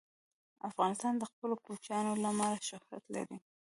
افغانستان د خپلو کوچیانو له امله شهرت لري.